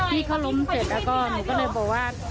ที่เขาล้มเสร็จแล้วก็หนูก็เลยบอกว่า